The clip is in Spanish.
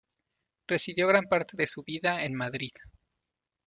Residió gran parte de su vida en Madrid.